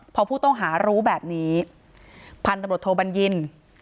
พอผู้ต้องหารู้แบบนี้พันธุ์ตำรวจโทบัญญิน